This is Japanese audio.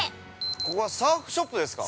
◆ここはサーフショップですか。